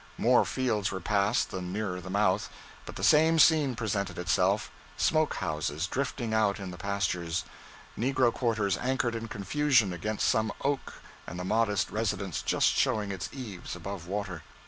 More fields were passed than nearer the mouth, but the same scene presented itself smoke houses drifting out in the pastures, negro quarters anchored in confusion against some oak, and the modest residence just showing its eaves above water.